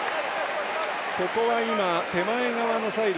ここは手前側のサイド